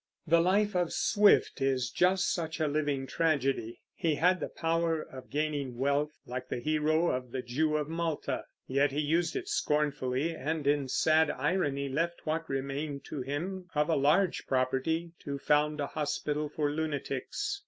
The life of Swift is just such a living tragedy. He had the power of gaining wealth, like the hero of the Jew of Malta; yet he used it scornfully, and in sad irony left what remained to him of a large property to found a hospital for lunatics.